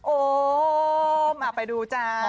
โอ้มาไปดูจ้า